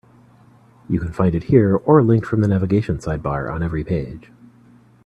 You can find it here, or linked from the navigation sidebar on every page.